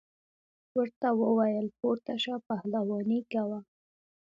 ورته وویل پورته شه پهلواني کوه.